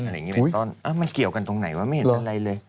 อย่างนี้เป็นต้นมันเกี่ยวกันตรงไหนวะไม่เห็นอะไรเลย